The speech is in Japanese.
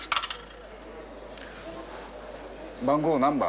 番号何番？